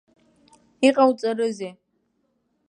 Иҟауҵарызеи!